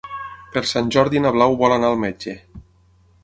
Per Sant Jordi na Blau vol anar al metge.